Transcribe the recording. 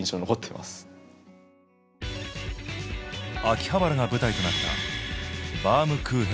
秋葉原が舞台となった「バウムクーヘンエンド」。